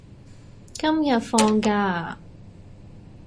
今日放假啊？